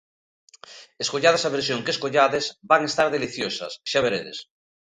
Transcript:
Escollades a versión que escollades, van estar deliciosas, xa veredes!